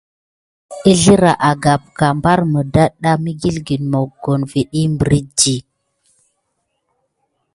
Ǝzǝra agapka, mbar mudatɗa mǝgilgǝn mogon va ɗih mbiriɗi.